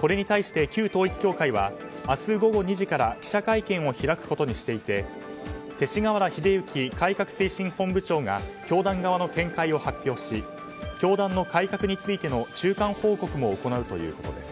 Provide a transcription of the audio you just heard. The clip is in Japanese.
これに対して旧統一教会は明日午後２時から記者会見を開くことにしていて勅使河原秀行改革推進本部長が教団側の見解を発表し教団の改革についての中間報告も行うということです。